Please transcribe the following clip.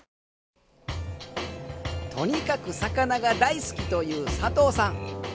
とにかく魚が大好きという佐藤さん。